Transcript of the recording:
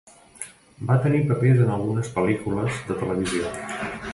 Va tenir papers en algunes pel·lícules de televisió.